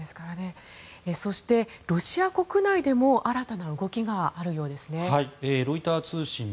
そして、ロシア国内でも新たな動きがあるようですね。